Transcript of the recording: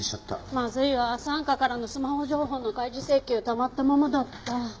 まずいわ三課からのスマホ情報の開示請求たまったままだった。